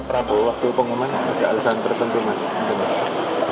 prabowo waktu pengumuman masih alasan tertentu mas